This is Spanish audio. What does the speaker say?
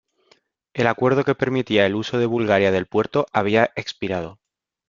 El acuerdo que permitía el uso de Bulgaria del puerto había expirado.